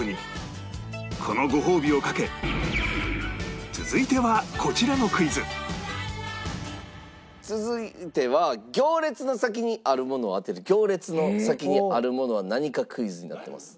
このごほうびを懸け続いては行列の先にあるものを当てる行列の先にあるものは何かクイズになってます。